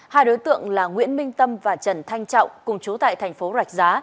hai đối tượng là nguyễn minh tâm và trần thanh trọng cùng chú tại thành phố rạch giá